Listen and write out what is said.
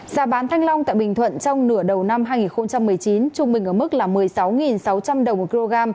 giá bán thanh long tại bình thuận trong nửa đầu năm hai nghìn một mươi chín trung bình ở mức là một mươi sáu sáu trăm linh đồng một kg